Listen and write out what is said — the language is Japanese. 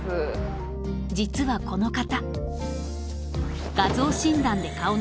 実はこの方。